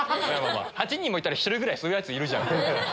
８人もいたら１人ぐらいそういうヤツいるじゃん。